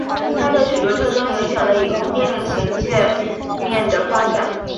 它的许多特征影响了以后命令行界面的发展。